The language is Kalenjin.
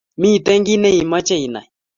Mito kiy ne imache inai